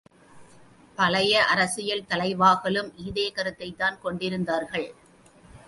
பழைய அரசியல்தலை வாகளும் இதே கருத்தைத்தான் கொண்டிருந்தார்கள்.